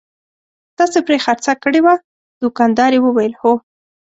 تاسې پرې خرڅه کړې وه؟ دوکاندارې وویل: هو.